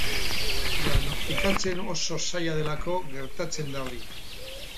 Diagnostikatzen oso zaila delako gertatzen da hori.